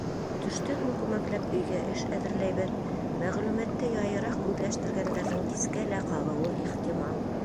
Төштән һуң күмәкләп өйгә эш әҙерләйбеҙ, мәғлүмәтте яйыраҡ үҙләштергәндәрҙең кискә лә ҡалыуы ихтимал.